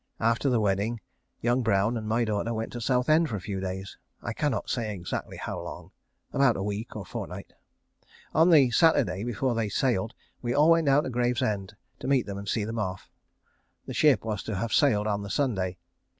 After the wedding young Brown and my daughter went to Southend for a few days. I cannot say exactly how long. About a week or a fortnight. On the Saturday before they sailed we all went down to Gravesend to meet them and see them off. The ship was to have sailed on the Sunday.